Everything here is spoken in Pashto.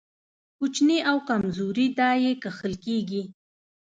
کوچني او کمزوري دا يې کښل کېږي.